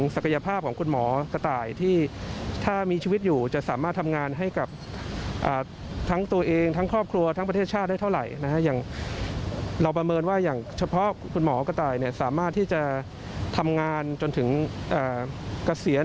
สามารถที่จะทำงานจนถึงเกษียณ